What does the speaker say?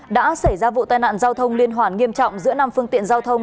đã xảy ra vụ tai nạn giao thông liên hoàn nghiêm trọng giữa năm phương tiện giao thông